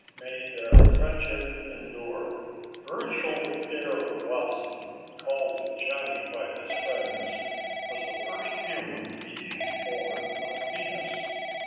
May their Friendship Endure!" Virgil Dare Watson, called Johnny by his friends, was the first human being born on Venus.